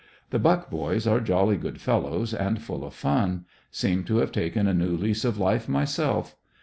The Buck boys are jolly good fellows, and full of fun. Seem to have taken a new lease of life myself.